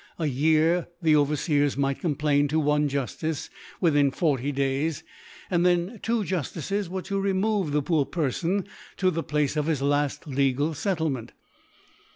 a, Year, the Overfcers might Complain to one Juftice within 40 Days, and then two Juf tfces were to remove the poor Perfen to the Place of h|s legal Settlement.